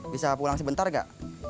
bisa pulang sebentar gak